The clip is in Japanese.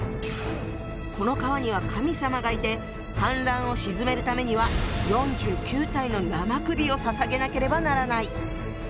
この川には神様がいて氾濫を鎮めるためには４９体の生首を捧げなければならない。